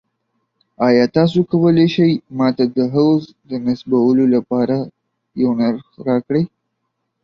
ایا تاسو کولی شئ ما ته د حوض د نصبولو لپاره یو نرخ راکړئ؟